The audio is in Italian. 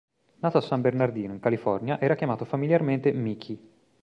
Nato a San Bernardino, in California, era chiamato familiarmente "Mickey".